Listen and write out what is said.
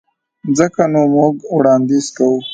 ځکه نو موږ وړانديز کوو.